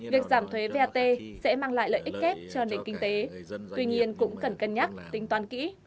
việc giảm thuế vat sẽ mang lại lợi ích kép cho nền kinh tế tuy nhiên cũng cần cân nhắc tính toán kỹ